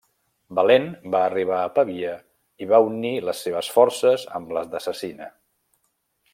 Valent va arribar a Pavia i va unir les seves forces amb les de Cecina.